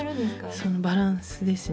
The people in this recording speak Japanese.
そのバランスですね。